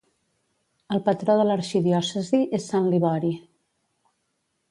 El patró de l'arxidiòcesi és Sant Libori.